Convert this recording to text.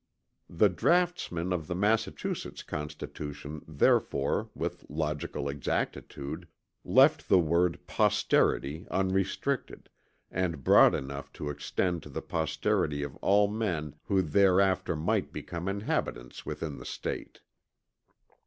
The draughtsmen of the Massachusetts Constitution therefore with logical exactitude, left the word "posterity" unrestricted, and broad enough to extend to the posterity of all men who thereafter might become inhabitants within the State.